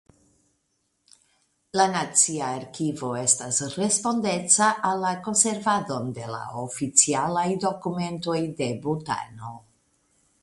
La nacia arkivo estas respondeca al la konservadon de la oficialaj dokumentoj de Butano.